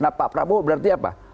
nah pak prabowo berarti apa